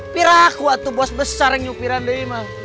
pirakuat tuh bos besar yang nyupiran aima